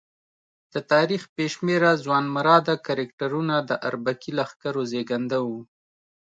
د تاریخ بې شمېره ځوانمراده کرکټرونه د اربکي لښکرو زېږنده وو.